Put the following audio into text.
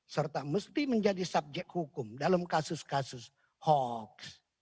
serta mesti menjadi subjek hukum dalam kasus kasus hoax